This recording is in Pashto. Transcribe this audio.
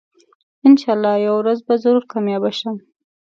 انشاالله یوه ورځ به ضرور کامیاب شم